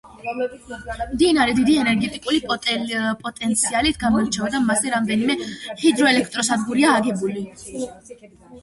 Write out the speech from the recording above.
მდინარე დიდი ენერგეტიკული პოტენციალით გამოირჩევა და მასზე რამდენიმე ჰიდროელექტროსადგურია აგებული.